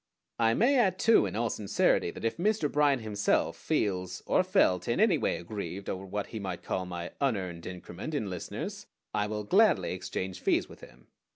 I may add too in all sincerity that if Mr. Bryan himself feels, or felt, in any way aggrieved over what he might call my "unearned increment" in listeners, I will gladly exchange fees with him.